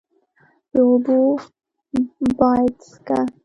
د اوبو باډسکه،